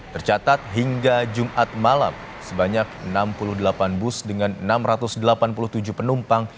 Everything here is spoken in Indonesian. tercatat hingga jumat malam sebanyak enam puluh delapan bus dengan enam ratus delapan puluh tujuh penumpang